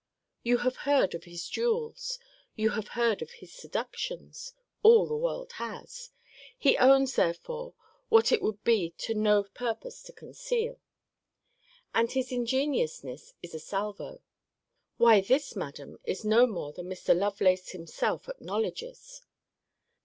You have heard of his duels: you have heard of his seductions. All the world has. He owns, therefore, what it would be to no purpose to conceal; and his ingenuousness is a salvo 'Why, this, Madam, is no more than Mr. Lovelace himself acknowledges.'